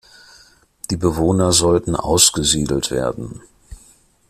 Die Bewohner sollten ausgesiedelt werden.